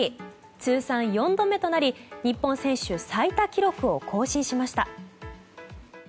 通算４度目となり日本選手最多記録を更新しました。